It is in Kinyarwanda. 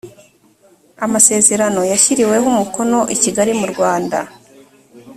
amasezerano yashyiriweho umukono i kigali mu rwanda